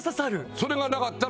それがなかったら。